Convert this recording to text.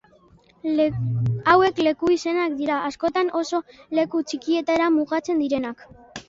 Hauek leku-izenak dira, askotan oso leku txikietara mugatzen direnak.